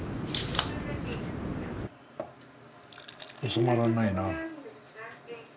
収まらないな。